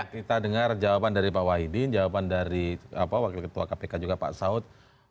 kita dengar jawaban dari pak wahidin jawaban dari wakil ketua kpk juga pak saud